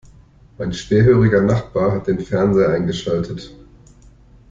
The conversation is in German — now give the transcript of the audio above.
Mein schwerhöriger Nachbar hat den Fernseher eingeschaltet.